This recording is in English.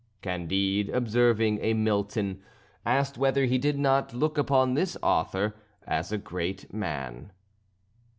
Candide, observing a Milton, asked whether he did not look upon this author as a great man.